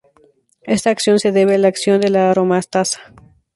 Esta acción se debe a la acción de la aromatasa.